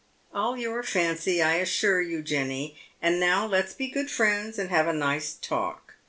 "All your fancy, I assure you, Jenny. And now let's be good friends, and have a nice talk.